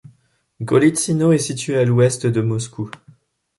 Golitsyno est située à à l'ouest de Moscou.